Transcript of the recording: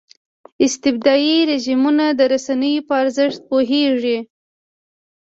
استبدادي رژیمونه د رسنیو په ارزښت پوهېږي.